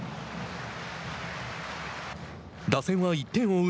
打線は１点を追う